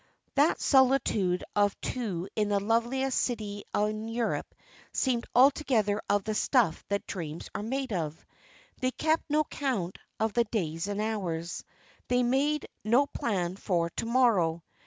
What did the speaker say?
That solitude of two in the loveliest city in Europe seemed altogether of the stuff that dreams are made of. They kept no count of the days and hours. They made no plan for to morrow.